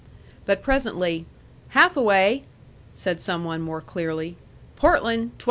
But presently, "Hathaway!" said some one more clearly. "Portland 1291!"